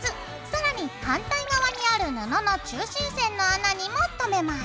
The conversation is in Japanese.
さらに反対側にある布の中心線の穴にもとめます。